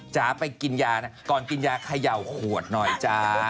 จ๋าไปกินยานะก่อนกินยาเขย่าขวดหน่อยจ้า